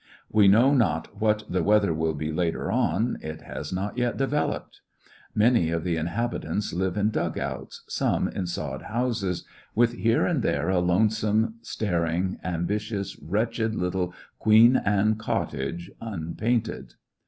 We know not what the weather will be later on 'j it has not yet developed. Many of the inhabitants live in dugouts, some in 3od houses, with here and there a lonesome, star ing, ambitious, wretched little 'Queen Anne cottage,' unpainted."